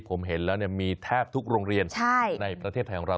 ผมเห็นแล้วมีแทบทุกโรงเรียนในประเทศไทยของเรา